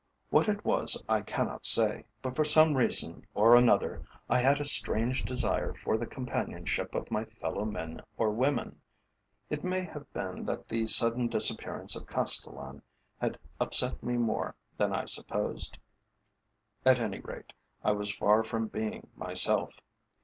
What it was I cannot say, but for some reason or another I had a strange desire for the companionship of my fellow men or women. It may have been that the sudden disappearance of Castellan had upset me more than I supposed. At any rate, I was far from being myself.